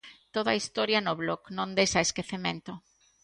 Toda a historia no blog Non des a esquecemento.